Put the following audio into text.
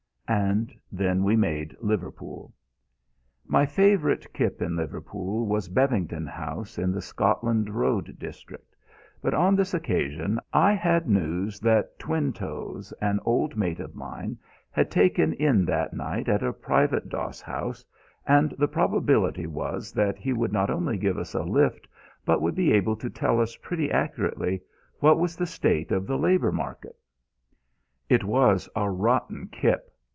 And then we made Liverpool. My favourite kip in Liverpool was Bevington House in the Scotland Road district, but on this occasion I had news that Twinetoes, an old mate of mine, had taken in that night at a private doss house, and the probability was that he would not only give us a lift but would be able to tell us pretty accurately what was the state of the labour market. It was a rotten kip.